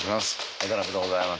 渡辺でございます